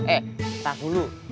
eh ntar dulu